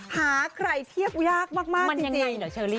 หาใครเทียบยากมากจริง